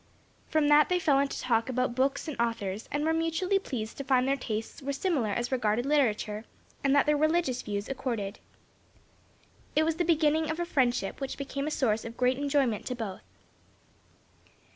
From that they fell into talk about books and authors and were mutually pleased to find their tastes were similar as regarded literature, and that their religious views accorded. It was the beginning of a friendship which became a source of great enjoyment to both.